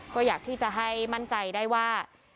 ก็อยากที่จะให้มั่นใจได้ว่า